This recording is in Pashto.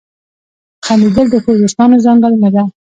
• خندېدل د ښو دوستانو ځانګړنه ده.